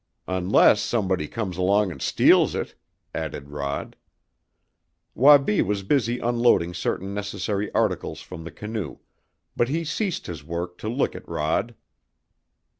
"Unless somebody comes along and steals it," added Rod. Wabi was busy unloading certain necessary articles from the canoe, but he ceased his work to look at Rod.